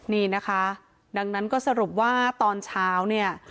นี่นะคะดังนั้นก็สรุปว่าตอนเช้าเนี่ย